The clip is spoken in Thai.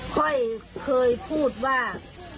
ค่อยเคยพูดว่า